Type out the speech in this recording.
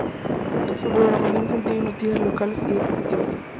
Su programación contiene noticias locales y deportivas.